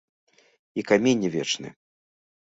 І камень не вечны.